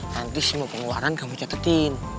nanti semua pengeluaran kamu cepetin